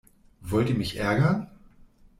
Wollt ihr mich ärgern?